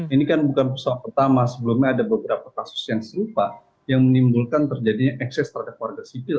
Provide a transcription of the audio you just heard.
ini kan bukan persoalan pertama sebelumnya ada beberapa kasus yang serupa yang menimbulkan terjadinya ekses terhadap warga sipil